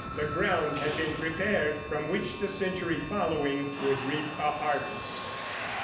The ground had been prepared from which the century following would reap a harvest.